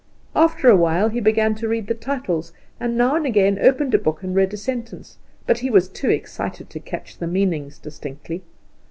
After a while he began to read the titles, and now and again opened a book and read a sentence; but he was too excited to catch the meanings distinctly.